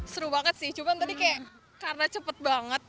seru banget sih cuman tadi kayak karena cepet banget